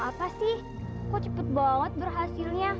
apa sih kok cepet banget berhasilnya